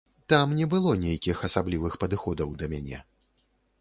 Там не было нейкіх асаблівых падыходаў да мяне.